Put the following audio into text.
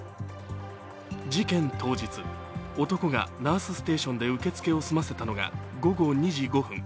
事件当日、男がナースステーションで受付を済ませたのが午後２時５分。